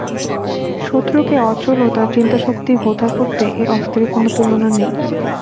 শত্রুকে অচল ও তার চিন্তাশক্তি ভোঁতা করতে এ অস্ত্রের কোন তুলনা নেই।